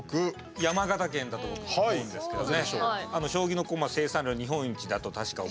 山形県だと僕は思うんですけどね。